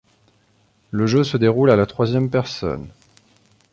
Le jeu se déroule à la troisième personne.